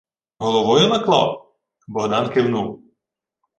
— Головою наклав? Богдан кивнув: